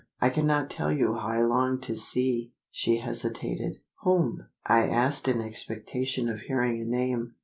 I cannot tell you how I long to see!" She hesitated. "Whom?" I asked in expectation of hearing a name.